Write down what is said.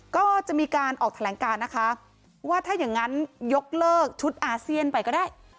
ก็จะมีการออกแถลงการนะคะว่าถ้าอย่างนั้นยกเลิกชุดอาเซียนไปก็ได้